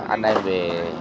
anh em về